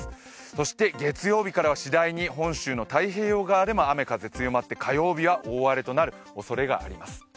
そして月曜日からは次第に本州の太平洋側でも雨・風強まって火曜日は大荒れとなるおそれがあります。